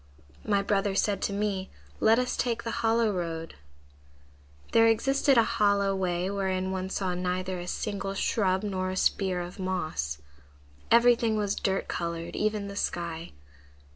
"My brother said to me, 'Let us take to the hollow road.' "There existed a hollow way wherein one saw neither a single shrub nor a spear of moss. Everything was dirt colored, even the sky.